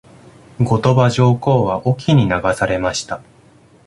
後鳥羽上皇は隠岐に流されました。